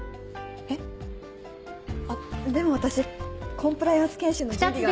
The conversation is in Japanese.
えっあっでも私コンプライアンス研修の準備が。